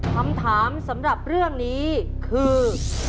คำถามสำหรับเรื่องนี้คือ